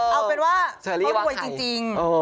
เอาเป็นว่าเขารวยจริง